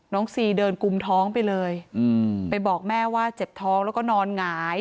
ซีเดินกุมท้องไปเลยไปบอกแม่ว่าเจ็บท้องแล้วก็นอนหงาย